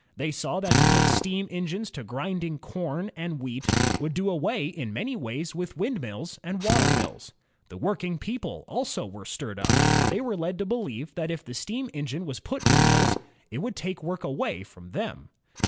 They saw that to put steam engines to grinding corn and wheat would do away in many places with windmills and water mills. The working people also were stirred up. They were led to beheve that if the steam engine was put in mills, it would take work away from them.